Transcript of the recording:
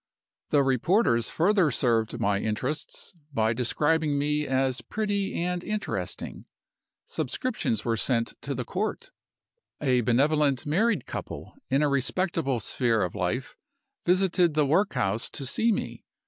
The reporters further served my interests by describing me as 'pretty and interesting.' Subscriptions were sent to the court. A benevolent married couple, in a respectable sphere of life, visited the workhouse to see me.